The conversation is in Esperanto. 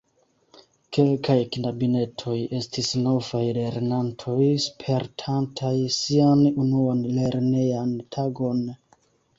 Kelkaj knabinetoj estis novaj lernantoj, spertantaj sian unuan lernejan tagon.